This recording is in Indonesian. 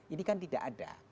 ini kan tidak ada